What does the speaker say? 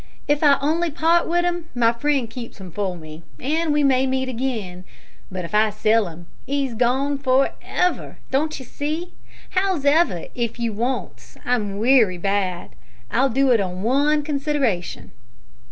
If I on'y part with 'im, my friend keeps 'im for me, and we may meet again, but if I sell 'im, he's gone for ever! Don't you see? Hows'ever, if you wants 'im wery bad, I'll do it on one consideration."